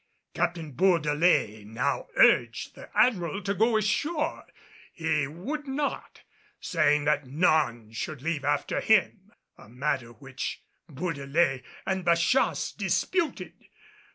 Captain Bourdelais now urged the Admiral to go ashore; he would not, saying that none should leave after him, a matter which Bourdelais and Bachasse disputed.